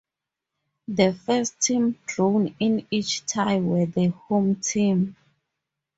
The first team drawn in each tie were the home team.